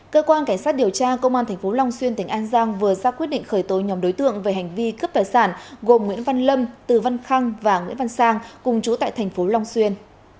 cơ quan cảnh sát điều tra công an tp long xuyên tp an giang vừa ra quyết định khởi tối nhóm đối tượng về hành vi cướp tài sản gồm nguyễn văn lâm từ văn khăng và nguyễn văn sang cùng chủ tại tp long xuyên